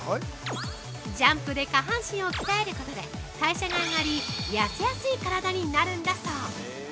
ジャンプで下半身を鍛えることで代謝が上がり痩せやすい体になるんだそう。